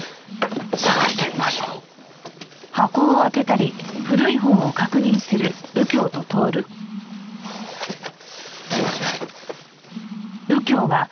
探してみましょう。ありますね。